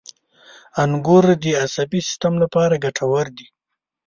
• انګور د عصبي سیستم لپاره ګټور دي.